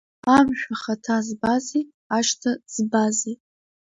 Амшә ахаҭа збази, ашьҭа збази.